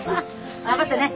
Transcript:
頑張ってね。